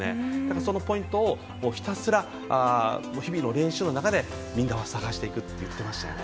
そのポイントをひたすら日々の練習の中でみんな探していくと言っていましたね。